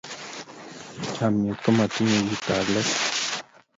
chamiet ko kit nematinye kit ab let